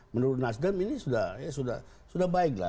menurut nasdem ini sudah baik lah